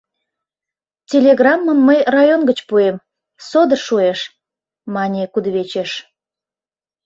— Телеграммым мый район гыч пуэм, содор шуэш, — мане кудывечеш.